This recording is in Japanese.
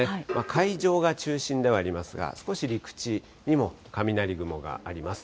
海上が中心ではありますが、少し陸地にも雷雲があります。